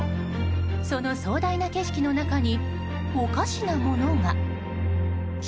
その壮大な景色の中におかしなものが。